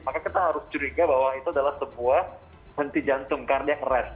maka kita harus curiga bahwa itu adalah sebuah henti jantung karena dia keras